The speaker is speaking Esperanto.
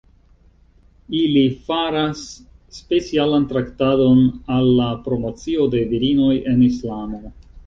Ili faras specialan traktadon al la promocio de virinoj en Islamo.